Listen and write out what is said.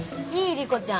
莉子ちゃん。